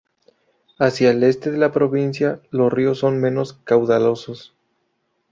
Hacia el este de la provincia los ríos son menos caudalosos.